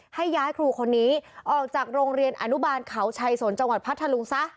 ให้ย้ายครูคนนี้ออกจากโรงเรียนอนุบาลเขาชัยสนจังหวัดพัทธลุงซะ